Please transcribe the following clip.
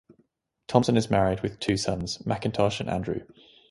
Thompson is married with two sons; Macintosh and Andrew.